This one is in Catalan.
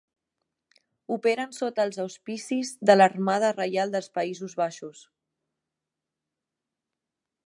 Operen sota els auspicis de l'Armada Reial dels Països Baixos.